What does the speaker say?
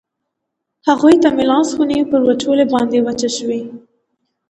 هغوی ته مې لاس ونیو، پر وچولې باندې وچه شوې.